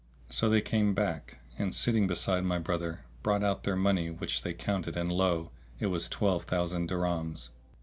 So they came back, and, sitting beside my brother, brought out their money which they counted and lo! it was twelve thousand dirhams.